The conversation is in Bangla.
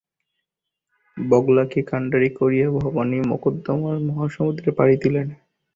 বগলাকে কাণ্ডারী করিয়া ভবানী মকদ্দমার মহাসমুদ্রে পাড়ি দিলেন।